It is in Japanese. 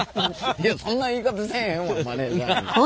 いやそんな言い方せえへんわマネージャーに！